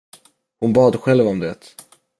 Hon bad själv om det.